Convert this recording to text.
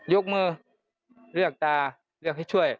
ยกมือเลือกตาเลือกให้ช่วย